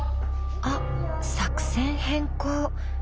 あっ作戦変更。